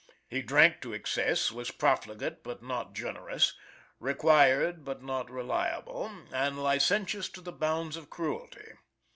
He drank to excess, was profligate but not generous, required but not reliable, and licentious to the bounds of cruelty.